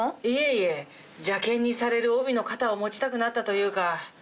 いえいえ邪けんにされる帯の肩を持ちたくなったというか。